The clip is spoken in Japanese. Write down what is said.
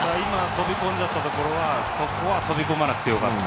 飛び込んじゃったところはそこは飛び込まなくてもよかった。